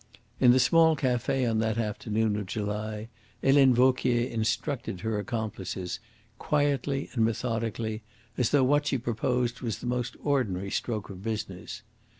In the small cafe on that afternoon of July Helene Vauquier instructed her accomplices, quietly and methodically, as though what she proposed was the most ordinary stroke of business.